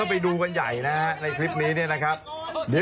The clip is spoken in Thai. บวกขาวแข็งแรงมากนะ